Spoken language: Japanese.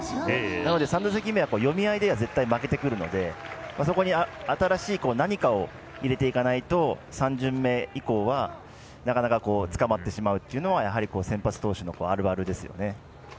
なので３打席目は読み合いでは負けてくるのでそこに新しい何かを入れていかないと３巡目以降は、なかなかつかまってしまうというのはやはり先発投手のあるあるですね。